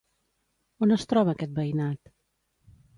On es troba aquest veïnat?